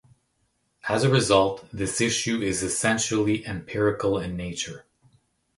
As a result, this issue is essentially empirical in nature.